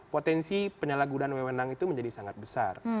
potensi penyalahgunaan wewenang itu menjadi sangat besar